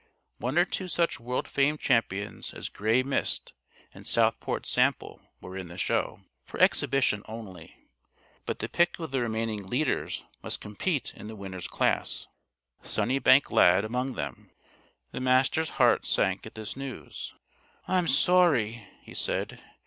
One or two such world famed champions as Grey Mist and Southport Sample were in the show "for exhibition only." But the pick of the remaining leaders must compete in the winners' class Sunnybank Lad among them. The Master's heart sank at this news. "I'm sorry!" he said.